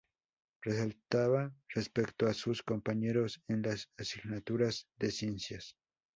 Resaltaba respecto a sus compañeros en las asignaturas de ciencias.